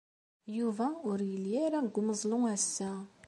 Yuba ur yelli ara deg umeẓlu ass-a.